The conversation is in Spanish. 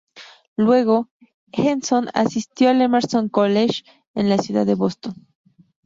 Luego, Henson asistió al Emerson College, en la ciudad de Boston.